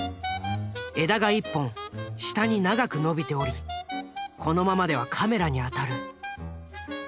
枝が１本下に長く伸びておりこのままではカメラに当たる。